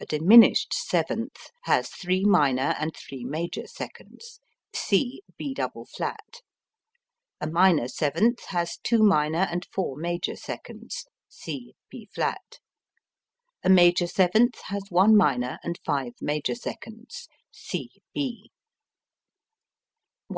A diminished seventh has three minor and three major seconds. C B[double flat]. A minor seventh has two minor and four major seconds. C B[flat]. A major seventh has one minor and five major seconds. C B. 192.